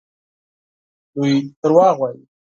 دوی دروغ وايي.